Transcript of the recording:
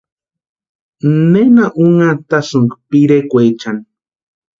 ¿Nena unhantasïnki pirekwaechani?